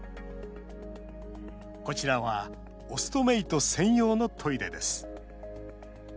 こちらはオストメイト専用のトイレです。